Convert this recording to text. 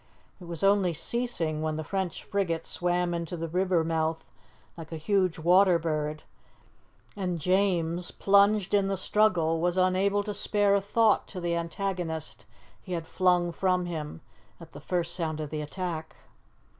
It was only ceasing when the French frigate swam into the river mouth like a huge water bird, and James, plunged in the struggle, was unable to spare a thought to the antagonist he had flung from him at the first sound of the attack.